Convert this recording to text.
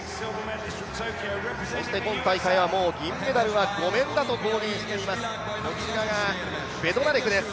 今大会は銀メダルはもうごめんだと公言しています、こちらがベドナレクです。